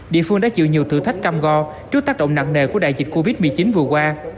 địa phương đã chịu nhiều thử thách cam go trước tác động nặng nề của đại dịch covid một mươi chín vừa qua